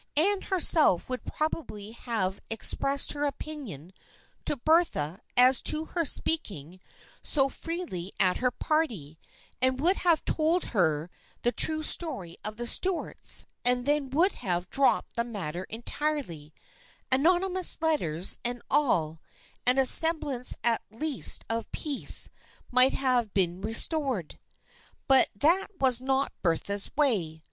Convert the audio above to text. Anne herself would probably have ex pressed her opinion to Bertha as to her speaking so freely at her party, and would have told her the true story of the Stuarts, and then would have dropped the matter entirely, anonymous letters and all, and a semblance at least of peace might have been restored. But that was not Bertha's way.